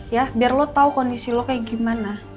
ya biar lo tahu kondisi lo kayak gimana